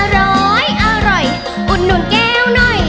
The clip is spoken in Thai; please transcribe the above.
ร้อยอร่อยอุดหนุนแก้วหน่อย